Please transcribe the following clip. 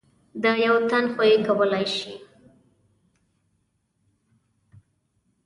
د یو تن خو یې کولای شئ .